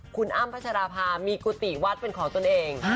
คุณอ้ำพัชราภามีกุฏิวัดเป็นของตนเอง